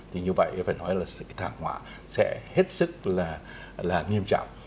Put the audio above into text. thì như vậy phải nói là cái thảm họa sẽ hết sức là nghiêm trọng